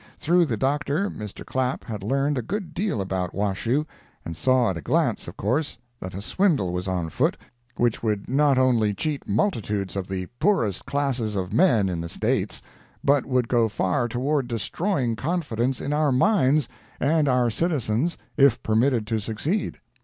Through the Doctor, Mr. Clapp had learned a good deal about Washoe, and saw at a glance, of course, that a swindle was on foot which would not only cheat multitudes of the poorest classes of men in the States, but would go far toward destroying confidence in our mines and our citizens if permitted to succeed.